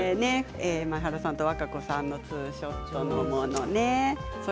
前原さんと和歌子さんのツーショットのもの。